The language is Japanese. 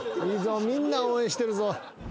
みんな応援してるぞ。